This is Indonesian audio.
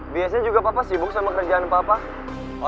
bisa tuh sampe sampai